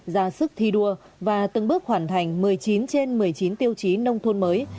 ra sức thi đua và từng bước hoàn thành một mươi chín trên một mươi chín tiêu chí nông thôn mới